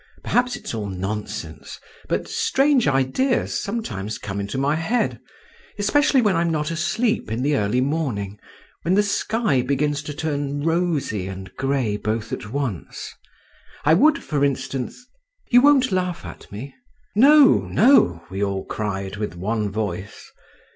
Perhaps it's all nonsense, but strange ideas sometimes come into my head, especially when I'm not asleep in the early morning, when the sky begins to turn rosy and grey both at once. I would, for instance … You won't laugh at me?" "No, no!" we all cried, with one voice.